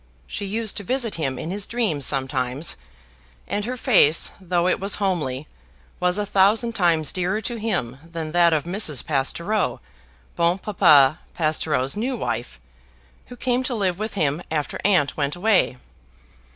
She used to visit him in his dreams sometimes; and her face, though it was homely, was a thousand times dearer to him than that of Mrs. Pastoureau, Bon Papa Pastoureau's new wife, who came to live with him after aunt went away.